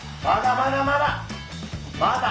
まだまだまだ！